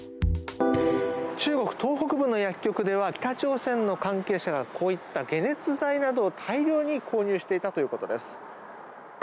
中国東北部の薬局では北朝鮮の関係者がこういった解熱剤などを大量に購入していたということです。